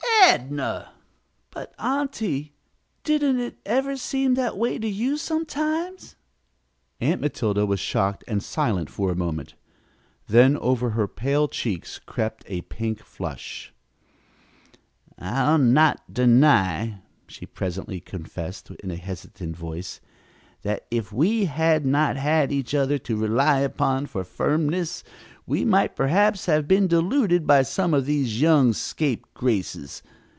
"Adnah!" "But, aunty, didn't it ever seem that way to you, sometimes?" Aunt Matilda was shocked and silent for a moment, then over her pale cheeks crept a pink flush. "I'll not deny," she presently confessed in a hesitant voice, "that if we had not had each other to rely upon for firmness we might perhaps have been deluded by some of these young scapegraces.